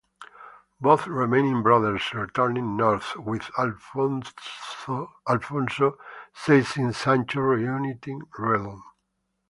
Both remaining brothers returned north, with Alfonso seizing Sancho's reunited realm.